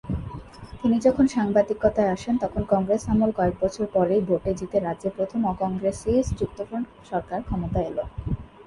তিনি যখন সাংবাদিকতায় আসেন তখন কংগ্রেস আমল কয়েক বছর পরেই ভোটে জিতে রাজ্যে প্রথম অ-কংগ্রেসি যুক্তফ্রন্ট সরকার ক্ষমতায় এল।